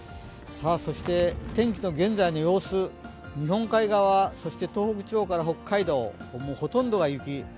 そして天気の現在の様子、日本海側そして東北地方から北海道、もうほとんどが雪。